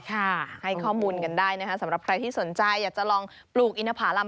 ให้ข้อมูลกันได้นะคะสำหรับใครที่สนใจอยากจะลองปลูกอินทภารำ